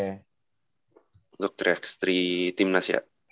untuk tiga x tiga timnas ya